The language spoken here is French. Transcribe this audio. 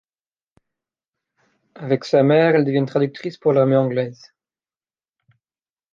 Avec sa mère, elles deviennent traductrice pour l'armée anglaise.